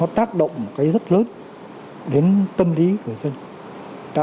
nó tác động một cái rất lớn đến tâm lý người dân tạo cho người dân sự hoang mang sự loạn